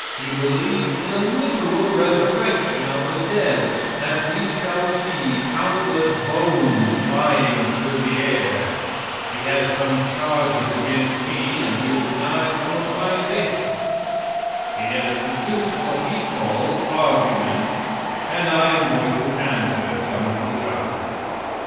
He believes in a literal resurrection of the dead; that we shall see countless bones flying through the air. He has some charges against me, and he has denied some of my statements. He has produced what he calls arguments, and I am going to answer some of the charges.